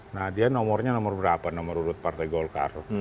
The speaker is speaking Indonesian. nah dia nomornya nomor berapa nomor urut partai golkar